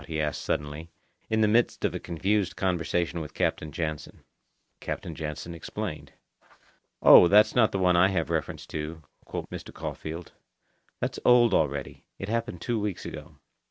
he asked suddenly, in the midst of a confused conversation with Captain Jansen. Captain Jansen explained. "Oh, that's not the one I have reference to," quoth Mr. Caulfeild. "That's old already. It happened two weeks ago."